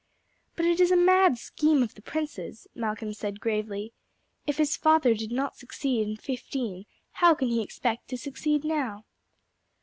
"But it is a mad scheme of the prince's," Malcolm said gravely. "If his father did not succeed in '15 how can he expect to succeed now?"